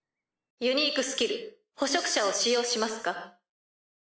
ユニークスキル「捕食者」を使用しますか？